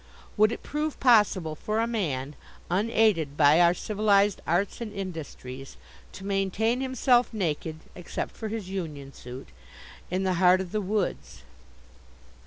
Would it prove possible for a man, unaided by our civilized arts and industries, to maintain himself naked except for his union suit in the heart of the woods?